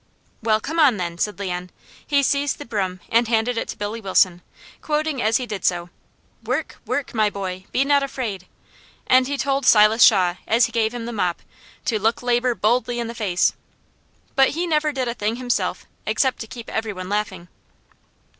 "Well, come on, then!" said Leon. He seized the broom and handed it to Billy Wilson, quoting as he did so, "Work, work, my boy, be not afraid"; and he told Silas Shaw as he gave him the mop, to "Look labour boldly in the face!" but he never did a thing himself, except to keep every one laughing.